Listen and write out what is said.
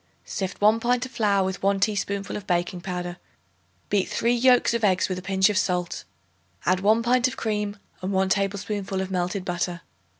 Sift 1 pint of flour with 1 teaspoonful of baking powder; beat three yolks of eggs with a pinch of salt; add 1 pint of cream and 1 tablespoonful of melted butter.